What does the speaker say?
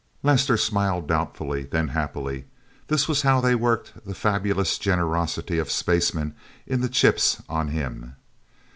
Lester smiled doubtfully, and then happily. That was how they worked the fabulous generosity of spacemen in the chips on him.